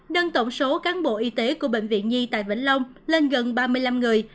nâng tổng số cán bộ y tế của bệnh viện nhi tại vĩnh long lên gần ba mươi năm người